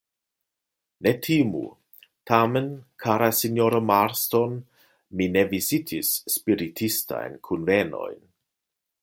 Ne timu, tamen, kara sinjoro Marston, mi ne vizitis spiritistajn kunvenojn.